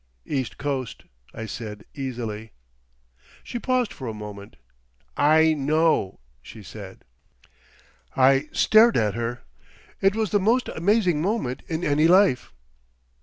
"East Coast," I said easily. She paused for a moment. "I know," she said. I stared at her. It was the most amazing moment in any life....